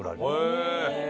へえ。